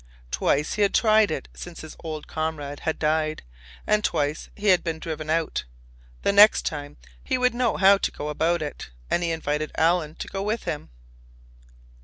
Twice he had tried it since his old comrade had died, and twice he had been driven out. The next time he would know how to go about it, and he invited Alan to go with him.